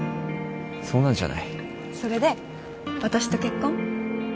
そうなんじゃないそれで私と結婚？